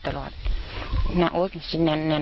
น้าโอ๊ยเป็นชิ้นนั้นน้าโอ๊ยบังคับไว้อยู่เลย